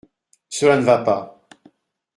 Cela ne va pas.